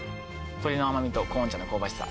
鶏の甘みとコーン茶の香ばしさ